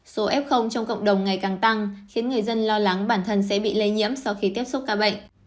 số f trong cộng đồng ngày càng tăng khiến người dân lo lắng bản thân sẽ bị lây nhiễm sau khi tiếp xúc ca bệnh